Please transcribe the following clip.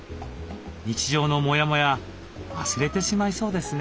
日常のモヤモヤ忘れてしまいそうですね。